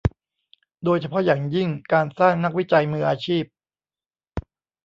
โดยเฉพาะอย่างยิ่งการสร้างนักวิจัยมืออาชีพ